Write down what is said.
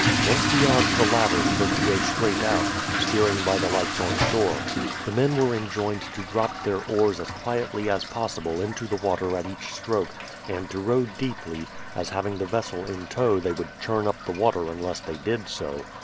Once beyond the latter he was to go straight out, steering by the lights on shore. The men were enjoined to drop their oars as quietly as possible into the water at each stroke, and to row deeply, as having the vessel in tow they would churn up the water unless they did so.